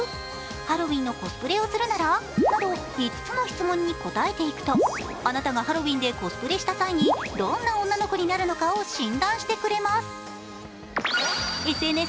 ハロウィンのコスプレをするなら？など５つの質問に答えていくとあばたがハロウィンでコスプレした際に、どんな女の子になるのかを診断してくれます。